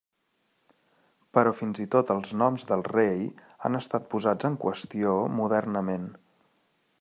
Però fins i tot els noms del rei han estat posats en qüestió modernament.